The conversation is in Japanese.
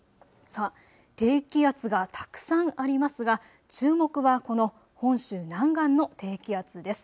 低気圧がたくさんありますが注目はこの本州南岸の低気圧です。